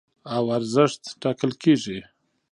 او ارزښت ټاکل کېږي.